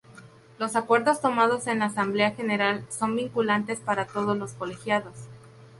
Los Acuerdos tomados en la Asamblea General son vinculantes para todos los colegiados.